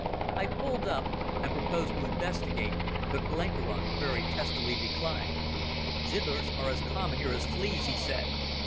I pulled up and proposed to investigate, but Blenkiron very testily declined. "Zithers are as common here as fleas," he said.